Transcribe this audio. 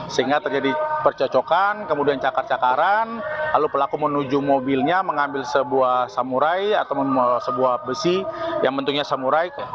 sehingga terjadi percocokan kemudian cakar cakaran lalu pelaku menuju mobilnya mengambil sebuah samurai atau sebuah besi yang bentuknya samurai